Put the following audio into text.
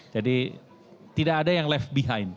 tidak ada yang left behind